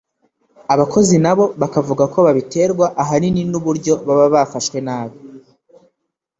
abakozi nabo bakavuga ko babiterwa ahanini n’uburyo baba bafashwe nabi